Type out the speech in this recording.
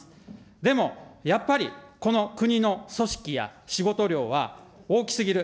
でも、やっぱり、この国の組織や仕事量は大きすぎる。